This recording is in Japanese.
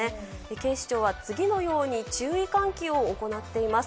警視庁は次のように注意喚起を行っています。